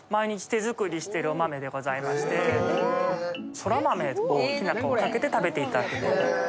そら豆ときな粉をかけて食べていただくという。